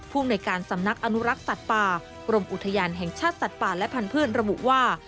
ภูมิในการสำนักอนุรักษ์สัตว์ป่ากรมอุทยานแห่งชาติสัตว์ป่าและพันธุ์ระบุว่า